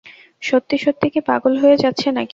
সত্যি সত্যি কি পাগল হয়ে যাচ্ছে নাকি?